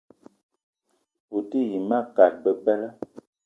O te yi ma kat bebela.